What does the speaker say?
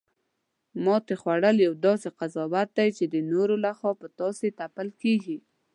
ماتې خوړل یو داسې قضاوت دی، چی د نورو لخوا په تاسې تپل کیږي